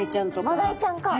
マダイちゃんか。